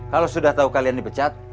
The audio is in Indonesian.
kalau sudah tahu kalian dipecat